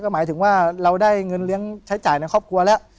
หมายถึงว่าเราได้เงินเลี้ยงใช้จ่ายในครอบครัวแล้ว